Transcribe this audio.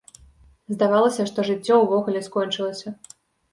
Здавалася, што жыццё ўвогуле скончылася.